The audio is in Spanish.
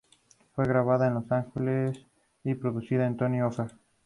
Fue grabado en Los Ángeles y producido por Tony Hoffer.